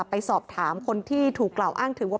เป็นการกล่าวอ้างว่า